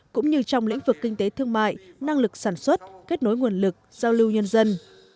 cũng như trong lĩnh vực kinh tế thương mại năng lực sản xuất kết nối nguồn lực giao lưu nhân dân